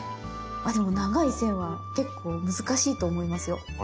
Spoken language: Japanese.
でも長い線は結構難しいと思いますよ。